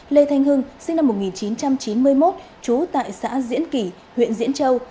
lê thanh hưng sinh năm một nghìn chín trăm chín mươi một trú tại xã diễn kỷ huyện diễn châu